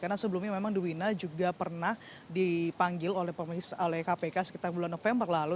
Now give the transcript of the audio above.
karena sebelumnya memang dwi na juga pernah dipanggil oleh kpk sekitar bulan november lalu